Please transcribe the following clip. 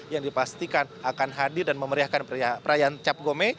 yang dipastikan akan hadir dan memeriahkan perayaan cap gome